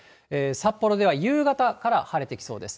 札幌では夕方から晴れてきそうです。